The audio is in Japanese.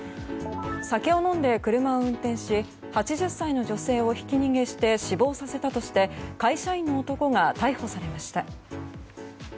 酒を飲んで車を運転し８０歳の女性をひき逃げして死亡させたとして会社員の男が逮捕されました。